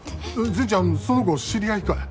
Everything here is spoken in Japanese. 善ちゃんその子知り合いかい？